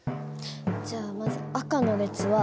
じゃあまず赤の列は２個。